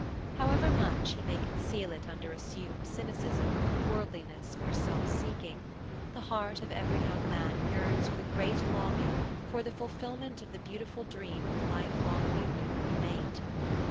However much he may conceal it under assumed cynicism, worldliness, or self seeking, the heart of every young man yearns with a great longing for the fulfilment of the beautiful dream of a life long union with a mate.